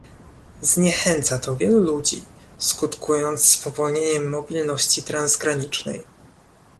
Zniechęca to wielu ludzi, skutkując spowolnieniem mobilności transgranicznej